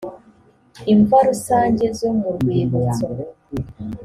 imva rusange zo mu rwibutso